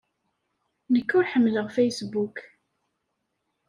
Nekk ur ḥemmleɣ Facebook.